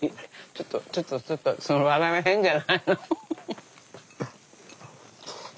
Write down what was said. ちょっとちょっとちょっとその笑いは変じゃないの。